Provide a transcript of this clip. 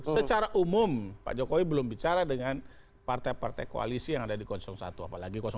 secara umum pak jokowi belum bicara dengan partai partai koalisi yang ada di satu apalagi dua